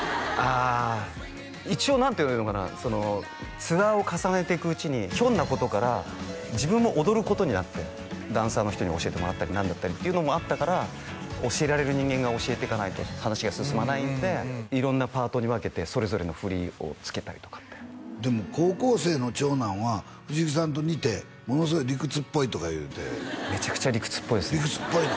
あ一応何ていうのかなツアーを重ねていくうちにひょんなことから自分も踊ることになってダンサーの人に教えてもらったりなんだったりっていうのもあったから教えられる人間が教えていかないと話が進まないんで色んなパートに分けてそれぞれの振りを付けたりとかってでも高校生の長男は藤木さんと似てものすごい理屈っぽいとかいうてめちゃくちゃ理屈っぽいですね理屈っぽいの？